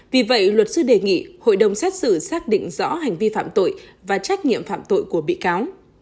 vì vậy luật sư đề nghị hội đồng xét xử xác định rõ hành vi phạm tội và trách nhiệm phạm tội của bị cáo